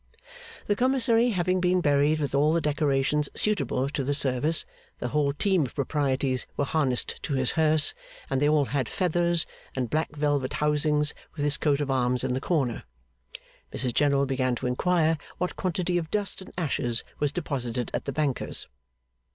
The commissary having been buried with all the decorations suitable to the service (the whole team of proprieties were harnessed to his hearse, and they all had feathers and black velvet housings with his coat of arms in the corner), Mrs General began to inquire what quantity of dust and ashes was deposited at the bankers'.